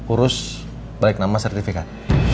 urus balik nama sertifikat